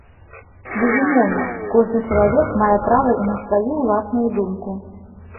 Безумоўна, кожны чалавек мае права і на сваю ўласную думку.